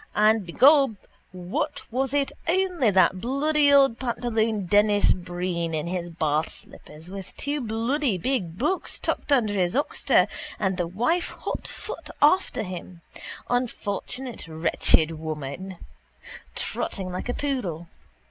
And begob what was it only that bloody old pantaloon Denis Breen in his bathslippers with two bloody big books tucked under his oxter and the wife hotfoot after him, unfortunate wretched woman, trotting like a poodle.